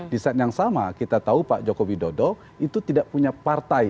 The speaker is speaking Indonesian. di saat yang sama kita tahu pak jokowi dodo itu tidak punya partai